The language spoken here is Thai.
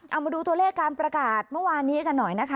เอามาดูตัวเลขการประกาศเมื่อวานนี้กันหน่อยนะคะ